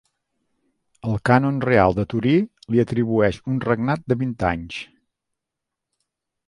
El Cànon Real de Torí li atribueix un regnat de vint anys.